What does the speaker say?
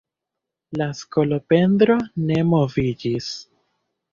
La skolopendro ne moviĝis.